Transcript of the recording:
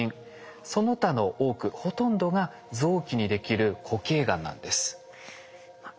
その他の多くほとんどが臓器にできる固形がんなんです。